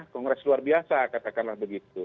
kongres luar biasa katakanlah begitu